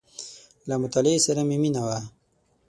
• له مطالعې سره مې مینه وه.